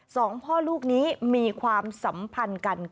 สองพ่อลูกนี้มีความสัมพันธ์กัน